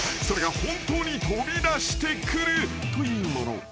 ［それが本当に飛び出してくるというもの］